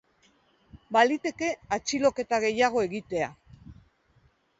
Baliteke atxiloketa gehiago egitea.